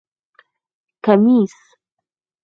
👗 کمېس